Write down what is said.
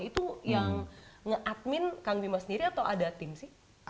itu yang nge admin kang bima sendiri atau ada tim sih